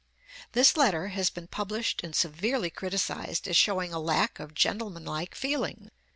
] This letter has been published and severely criticised as showing a lack of gentlemanlike feeling.